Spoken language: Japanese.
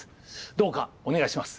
どうかお願いします。